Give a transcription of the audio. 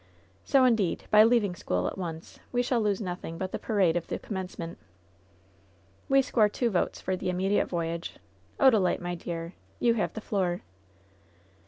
So, indeed, by leaving school at once we shall lose nothing but the parade of the commencement." "We score two votes for the immediate voyage. Oda lite, my dear, you have the floor."